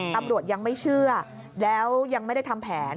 ตำรวจยังไม่เชื่อแล้วยังไม่ได้ทำแผน